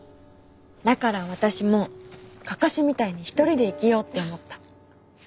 だから私もかかしみたいに一人で生きようって思った。